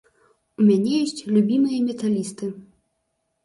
У мяне ёсць любімыя металісты.